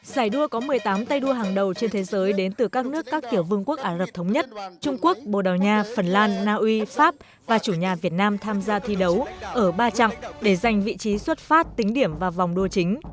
giải đua có một mươi tám tay đua hàng đầu trên thế giới đến từ các nước các tiểu vương quốc ả rập thống nhất trung quốc bồ đào nha phần lan naui pháp và chủ nhà việt nam tham gia thi đấu ở ba chặng để giành vị trí xuất phát tính điểm và vòng đua chính